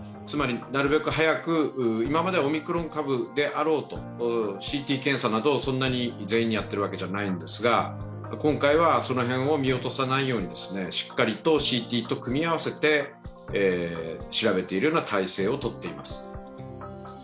つまり、なるべく早く、今までオミクロン株であろうとＣＴ検査など、全員にしているわけではないんですが今回はその辺を見落とさないように、しっかりとＣＴと組み合わせて調べているような体制を取っています。